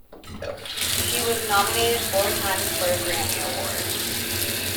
She was nominated four times for a Grammy Award.